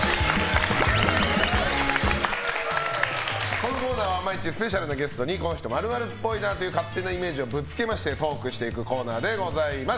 このコーナーは毎日スペシャルなゲストにこの人○○っぽいなという勝手なイメージをぶつけましてトークしていくコーナーでございます。